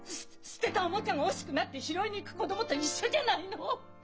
捨てたオモチャが惜しくなって拾いに行く子供と一緒じゃないの！